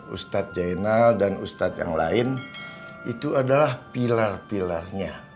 ustadz jainal dan ustadz yang lain itu adalah pilar pilarnya